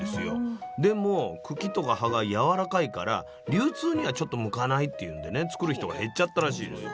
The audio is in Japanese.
でも茎とか葉がやわらかいから流通にはちょっと向かないっていうんでね作る人が減っちゃったらしいです。